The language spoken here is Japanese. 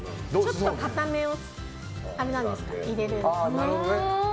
ちょっと硬めを入れる。